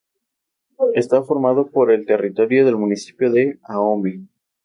Está formado por el territorio del Municipio de Ahome.